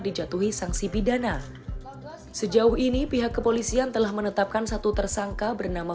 dijatuhi sanksi pidana sejauh ini pihak kepolisian telah menetapkan satu tersangka bernama